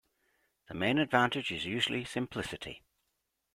The main advantage is usually simplicity.